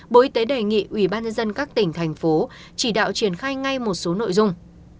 bộ y tế đề nghị ubnd các tỉnh thành phố chỉ đạo triển khai ngay một số nội dung